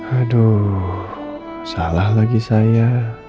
aduh salah lagi saya